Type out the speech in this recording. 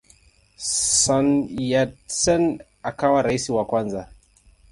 Sun Yat-sen akawa rais wa kwanza.